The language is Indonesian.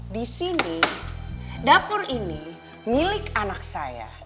di sini dapur ini milik anak saya